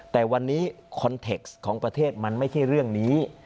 แต่วันนี้คอนเทคของประเทศมันไม่ใช่เรื่องนี้